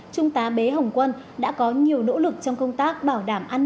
trung tá bế hồng quân đã có nhiều nỗ lực trong công tác bảo đảm an ninh